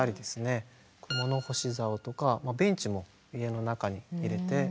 物干しざおとかベンチも家の中に入れて。